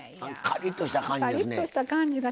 あのカリッとした感じが。